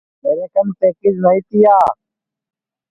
میرے کن پکیچ نائی تیا